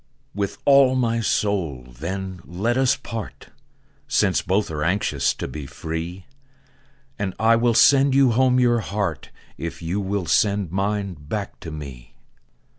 TO ....... With all my soul, then, let us part, Since both are anxious to be free; And I will sand you home your heart, If you will send mine back to me.